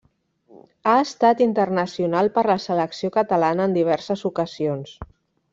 Ha estat internacional per la selecció catalana en diverses ocasions.